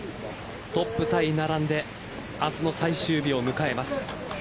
トップタイに並んで明日の最終日を迎えます。